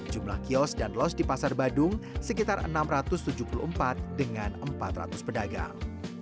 jumlah kios dan los di pasar badung sekitar enam ratus tujuh puluh empat dengan empat ratus pedagang